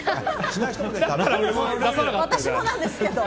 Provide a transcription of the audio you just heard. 私もなんですけど。